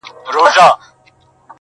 • د بېوفا لفظونه راوړل.